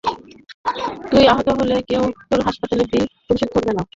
তুই আহত হলে, কেউ তোর হাসপাতালের বিল পরিশোধ করবে না।